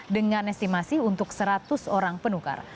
dengan estimasi untuk seratus orang penukar